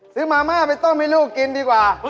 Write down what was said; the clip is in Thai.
มาม่าไปต้มให้ลูกกินดีกว่า